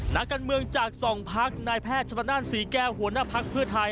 นักการเมืองจากสองพักนายแพทย์ชนนั่นศรีแก้วหัวหน้าภักดิ์เพื่อไทย